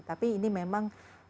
tapi ini memang